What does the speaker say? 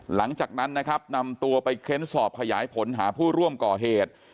หลังจากนั้นนะครับนำตัวไปเค้นสอบขยายผลหาผู้ร่วมก่อเหตุ